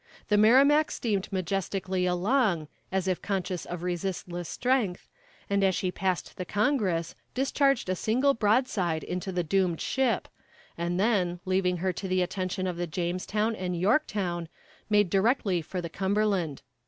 The Merrimac steamed majestically along, as if conscious of resistless strength, and as she passed the Congress discharged a single broadside into the doomed ship, and then, leaving her to the attention of the Jamestown and Yorktown, made directly for the Cumberland.